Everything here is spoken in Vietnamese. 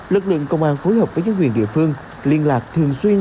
lực lượng công an phối hợp với nhân viên địa phương liên lạc thường xuyên